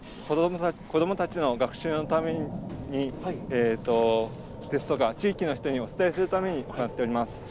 子どもたちの学習のためにですとか、地域の人にお伝えするために行っております。